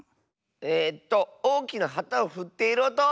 えっとおおきなはたをふっているおと！